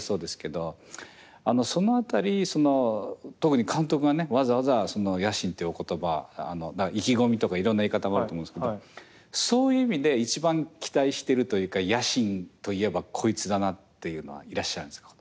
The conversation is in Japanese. その辺り特に監督がねわざわざ野心っていうお言葉意気込みとかいろんな言い方もあると思うんですけどそういう意味で一番期待してるというか野心といえばこいつだなっていうのはいらっしゃいますか？